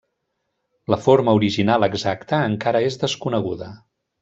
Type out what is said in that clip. La forma original exacta encara és desconeguda.